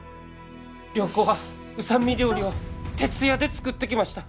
良子は御三味料理を徹夜で作ってきました。